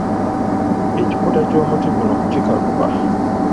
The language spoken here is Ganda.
Ekikuta ky'omuti guno kikaluba.